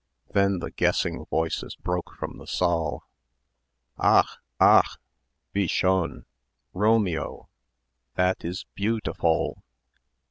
Then the guessing voices broke from the saal. "Ach! ach! Wie schön! Romeo! That is beautifoll.